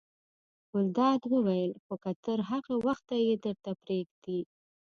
ګلداد وویل: خو که تر هغه وخته یې درته پرېږدي.